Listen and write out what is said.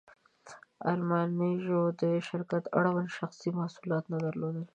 ارمان پيژو د شرکت اړوند شخصي مسوولیت نه درلود.